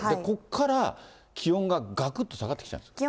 ここから気温ががくっと下がってきちゃう。